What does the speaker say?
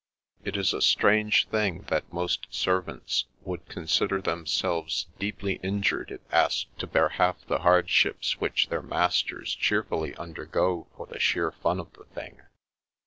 It is a strange thing that most ser vants would consider themselves deeply injured if asked to bear half the hardships which dieir masters cheerfully undergo for the sheer fun of the thing.